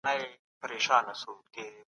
واکمن به د خپلو پريکړو پايلي ويني.